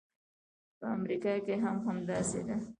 په امریکا کې هم همداسې ده.